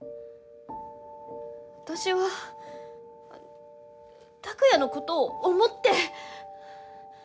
私は拓哉のことを思って。